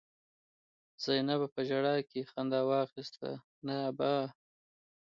زينبه په ژړا کې خندا واخيسته: نه ابا!